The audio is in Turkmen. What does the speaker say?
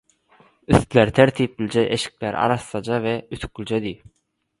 Üstleri tertiplije, eşikleri arassaja we ütüklijedi.